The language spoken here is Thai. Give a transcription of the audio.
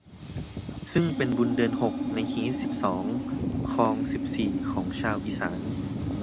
ซึ่งเป็นบุญเดือนหกในฮีตสิบสองคองสิบสี่ของชาวอีสาน